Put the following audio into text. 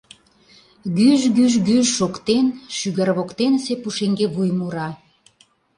Гӱж-гӱж-гӱж шоктен, шӱгар воктенысе пушеҥге вуй мура.